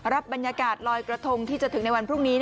บรรยากาศลอยกระทงที่จะถึงในวันพรุ่งนี้